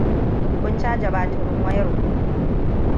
Kun caja batirin wayar ku?